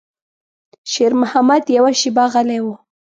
شېرمحمد يوه شېبه غلی و.